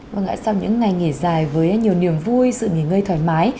vâng ạ sau những ngày nghỉ dài với nhiều niềm vui sự nghỉ ngơi thoải mái